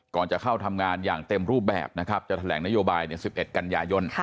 จะเข้าทำงานอย่างเต็มรูปแบบนะครับจะแถลงนโยบาย๑๑กันยายน